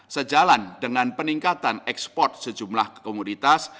sejalan dengan peningkatan ekspor sejumlah komoditas